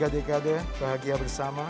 tiga dekade bahagia bersama